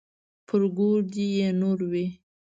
پر ګور دې يې نور وي.